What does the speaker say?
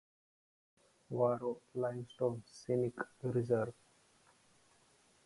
Waro Limestone Scenic Reserve